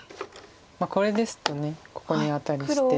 これですとここにアタリして。